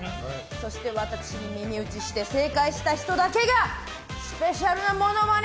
そして私に耳打ちして正解した人だけがスペシャルなモノマネ